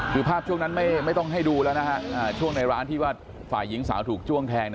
คือภาพช่วงนั้นไม่ต้องให้ดูแล้วนะฮะช่วงในร้านที่ว่าฝ่ายหญิงสาวถูกจ้วงแทง